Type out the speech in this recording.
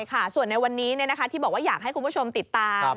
ค่ะส่วนในวันนี้ที่บอกว่าอยากให้คุณผู้ชมติดตาม